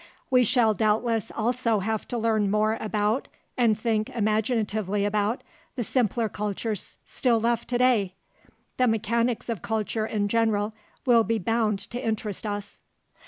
We shall doubtless also have to learn more about, and think imaginatively about, the simpler cultures still left today. The "mechanics" of culture in general will be bound to interest us.